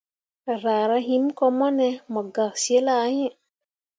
Raara him ko mone mu gak zilah iŋ.